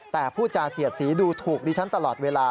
แต่ผู้จาเสียดสีดูถูกดิฉันตลอดเวลา